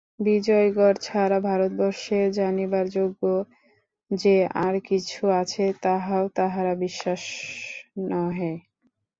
বিজয়গড় ছাড়া ভারতবর্ষে জানিবার যোগ্য যে আর-কিছু আছে তাহাও তাঁহারা বিশ্বাস নহে।